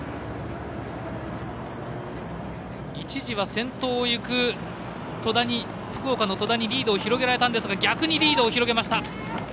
一時は先頭をいく福岡の戸田にリードを広げられたんですが逆にリードを広げました。